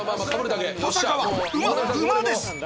登坂は馬馬です。